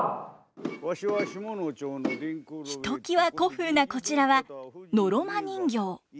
ひときわ古風なこちらはのろま人形。